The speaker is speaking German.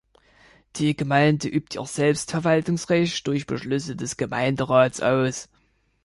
Die Gemeinde übt ihr Selbstverwaltungsrecht durch Beschlüsse des Gemeinderats aus.